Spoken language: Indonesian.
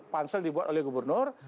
pansel dibuat oleh gubernur